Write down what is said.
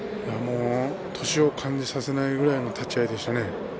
年を感じさせないぐらいの立ち合いでしたね。